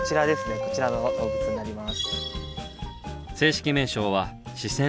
こちらの動物になります。